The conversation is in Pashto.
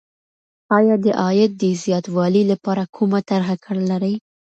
آیا د عاید د زیاتوالي لپاره کومه طرحه لرې؟